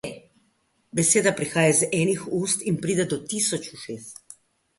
Beseda prihaja iz enih ust in pride do tisoč ušes.